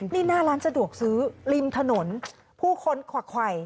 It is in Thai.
นี่หน้าร้านสะดวกซื้อริมถนนผู้ค้นขวักไขว